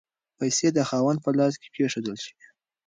پیسې د خاوند په لاس کې کیښودل شوې.